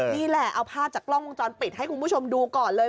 นี่แหละเอาภาพจากกล้องวงจรปิดให้คุณผู้ชมดูก่อนเลย